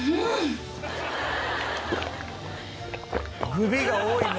「“グビ”が多いね」